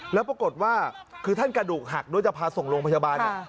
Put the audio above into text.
แล้วปรากฏว่าคือท่านกระดูกหักด้วยจะพาส่งโรงพยาบาล